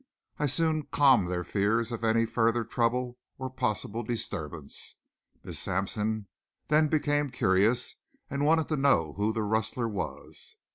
I soon calmed their fears of any further trouble or possible disturbance. Miss Sampson then became curious and wanted to know who the rustler was.